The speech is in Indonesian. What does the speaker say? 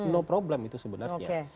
no problem itu sebenarnya